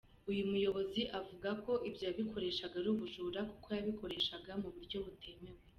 Uyu muyobozi avuga ko ibyo yabikoreshaga ari ubujura kuko yabikoreshaga mu buryo butemewe.